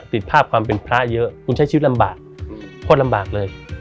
ติดภาพความเป็นพระเยอะคุณใช้ชีวิตลำบากโคตรลำบากเลย